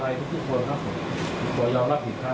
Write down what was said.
ขอยอมรับผิดครับคุณจะเฉิดมีปากเสียงมาให้ใช้ไหมครับ